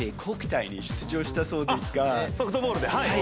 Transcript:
ソフトボールではい。